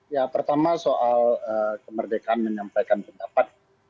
ya pertama soal kemerdekaan menyampaikan pendapat